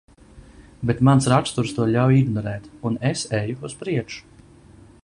Bet mans raksturs to ļauj ignorēt, un es eju uz priekšu.